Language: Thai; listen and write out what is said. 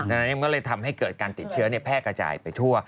มันก็เลยทำให้เกิดการติดเชื้อแพร่กระจายไปทั่ว